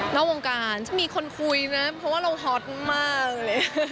แต่ว่าจากคนที่เรามีมากก็แบบ